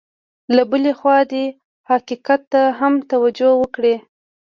له بلې خوا دې حقیقت ته هم توجه وکړي.